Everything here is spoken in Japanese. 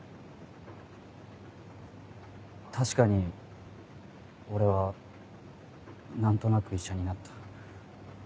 確かに俺は何となく医者になった。